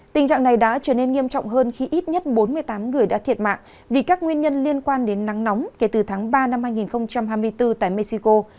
tình trạng này đã trở nên nghiêm trọng hơn khi ít nhất bốn mươi tám người đã thiệt mạng vì các nguyên nhân liên quan đến nắng nóng kể từ tháng ba năm hai nghìn hai mươi bốn tại mexico